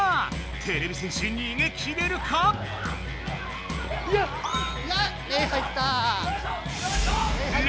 てれび戦士にげきれるか⁉レイ入った。